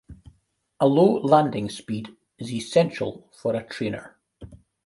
A low landing speed is essential for a trainer.